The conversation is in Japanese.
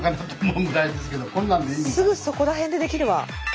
すぐそこら辺でできるわ。